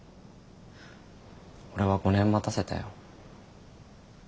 俺は５年待たせたよ。